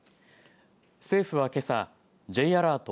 政府はけさＪアラート